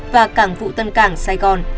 và cảng vụ tân cảng sài gòn